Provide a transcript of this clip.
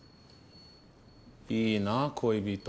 いいなぁ恋人。